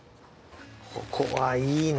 ここはいいな。